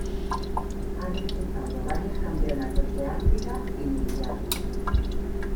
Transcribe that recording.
Ha disputado varios campeonatos de África y mundiales.